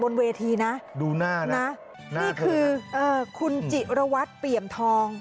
บนเวทีนะดูหน้านะนี่คือคุณจิระวัตรเปี่ยมทอง